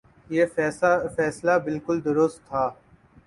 یہ فیصلہ بالکل درست تھا۔